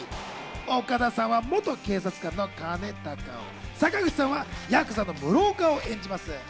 岡田さんは元警察官の兼高を坂口さんはヤクザの室岡を演じます。